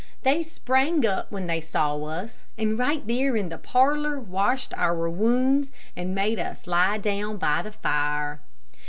They sprang up when they saw us, and right there in the parlor washed our wounds, and made us lie down by the fire.